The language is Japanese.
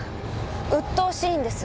うっとおしいんです！